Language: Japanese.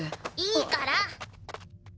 いいから！